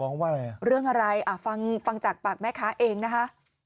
ฟ้องว่าอะไรเรื่องอะไรฟังจากปากแม่ค้าเองนะคะ